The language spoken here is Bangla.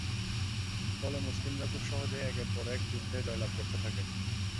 ফলে মুসলিমরা খুব সহজেই একের পর এক যুদ্ধে জয়লাভ করতে থাকে।